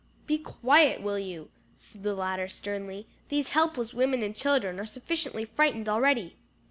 "Be quiet, will you!" said the latter sternly; "these helpless women and children are sufficiently frightened already."